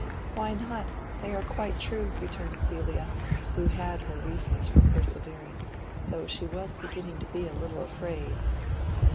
"Why not? They are quite true," returned Celia, who had her reasons for persevering, though she was beginning to be a little afraid.